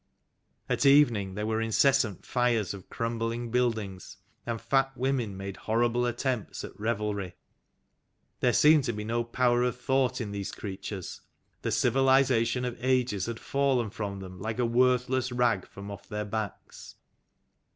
At evening there were incessant fires of crumbling buildings, and fat women made horrible attempts at revelry. There seemed to be no power of thought in these creatures. The civilization of ages had fallen from them like a worthless rag from off their backs.